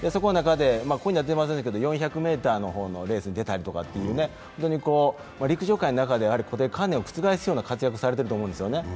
ここには出てませんが４００ｍのレースに出たりとか本当に陸上界の中の固定観念を覆すような活躍をされていると思うんですよね。